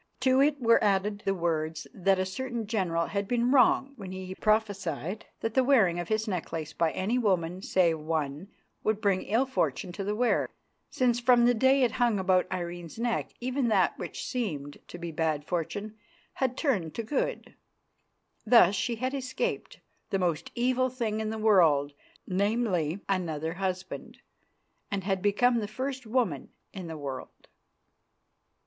To it were added the words that a certain general had been wrong when he prophesied that the wearing of this necklace by any woman save one would bring ill fortune to the wearer, since from the day it hung about Irene's neck even that which seemed to be bad fortune had turned to good. Thus she had escaped "the most evil thing in the world, namely, another husband," and had become the first woman in the world.